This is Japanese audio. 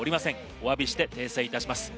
お詫びして訂正いたします。